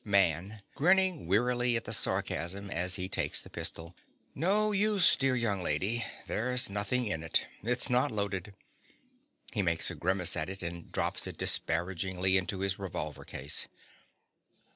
MAN. (grinning wearily at the sarcasm as he takes the pistol). No use, dear young lady: there's nothing in it. It's not loaded. (_He makes a grimace at it, and drops it disparagingly into his revolver case.